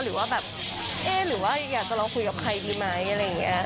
หรือว่าแบบเอ๊ะหรือว่าอยากจะลองคุยกับใครดีไหมอะไรอย่างนี้